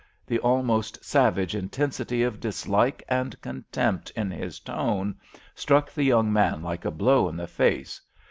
The almost savage intensity of dislike and contempt in his tone struck the young man like a blow in the face.